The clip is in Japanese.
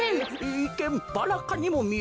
いっけんバラかにもみえるが。